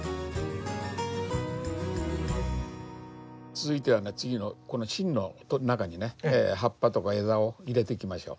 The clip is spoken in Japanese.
続いてはね次のこの芯の中にね葉っぱとか枝を入れていきましょう。